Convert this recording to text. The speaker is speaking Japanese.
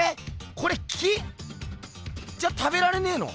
これ木？じゃ食べられねぇの？